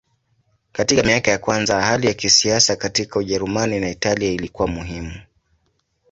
Katika miaka ya kwanza hali ya kisiasa katika Ujerumani na Italia ilikuwa muhimu.